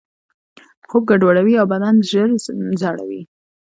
خوب ګډوډوي او بدن ژر زړوي.